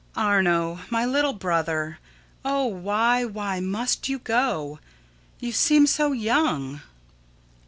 _] Arno, my little brother, oh, why why must you go? You seem so young.